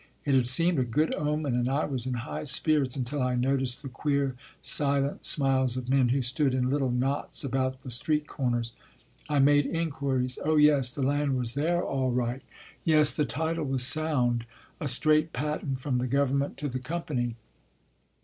It had seemed a good omen, and I was in high spirits, until I noticed the queer, silent smiles of men who stood in little knots about the street corners. I made inquiries. Oh, yes, the land was there all 10 Happy Valley right. Yes, the title was sound, a straight patent from the government to the company.